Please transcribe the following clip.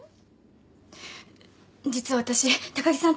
実はわたし高木さんと。